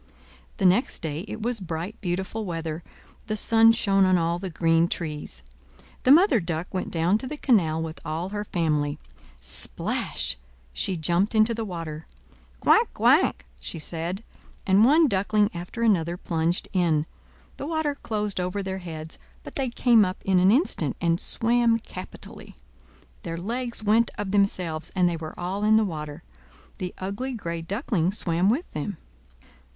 The next day, it was bright, beautiful weather; the sun shone on all the green trees. The Mother Duck went down to the canal with all her family. Splash! she jumped into the water. "Quack! quack!" she said, and one duckling after another plunged in. The water closed over their heads, but they came up in an instant, and swam capitally; their legs went of themselves, and they were all in the water. The ugly gray Duckling swam with them.